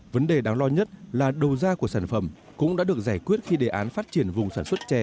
vấn đề đáng lo nhất là đầu ra của sản phẩm cũng đã được giải quyết khi đề án phát triển vùng sản xuất chè